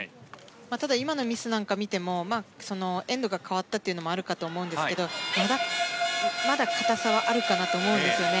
ただ、今のミスなんか見てもエンドが変わったというのもあると思うんですがまだ硬さはあるかなと思うんですよね。